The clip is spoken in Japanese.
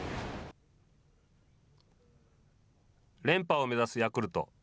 連覇を目指すヤクルト。